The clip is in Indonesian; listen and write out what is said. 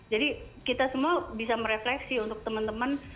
jadi kita semua bisa merefleksi untuk teman teman